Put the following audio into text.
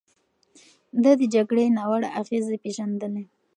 ده د جګړې ناوړه اغېزې پېژندلې.